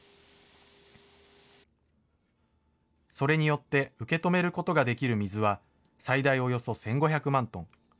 それによって、受け止めることができる水は最大およそ１５００万トン。